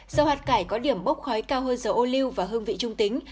dầu hạt cải có điểm bốc khói cao hơn dầu ô lưu và hương vị trung tính